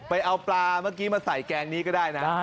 ไปเอาปลาเมื่อกี้มาใส่แกงนี้ก็ได้นะ